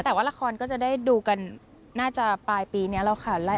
แต่ว่าละครก็จะได้ดูกันน่าจะปลายปีนี้แล้วค่ะ